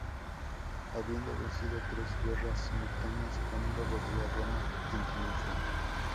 Habiendo vencido tres guerras simultáneas, Camilo volvió a Roma en triunfo.